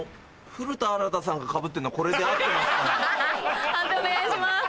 古田新太さんがかぶってるのこれで合ってますかね？